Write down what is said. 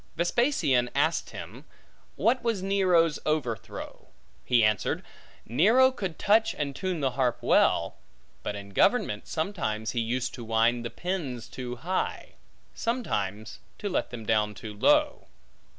Vespasian asked him, What was Nero's overthrow? He answered, Nero could touch and tune the harp well; but in government, sometimes he used to wind the pins too high, sometimes to let them down too low.